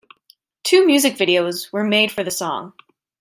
Two music videos were made for the song.